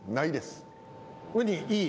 ウニいい？